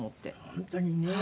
本当にね。